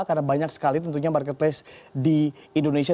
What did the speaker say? karena banyak sekali tentunya marketplace di indonesia